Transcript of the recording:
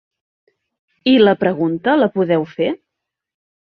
I la pregunta, la podeu fer?